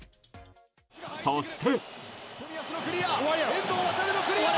そして。